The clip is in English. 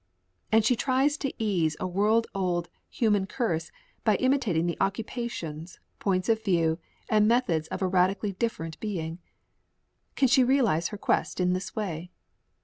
And she tries to ease a world old human curse by imitating the occupations, points of views, and methods of a radically different being. Can she realize her quest in this way?